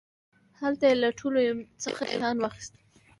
هلته يې له ټولوڅخه امتحان واخيست.